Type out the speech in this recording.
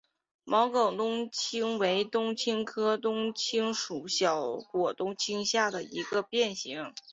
毛梗冬青为冬青科冬青属小果冬青下的一个变型。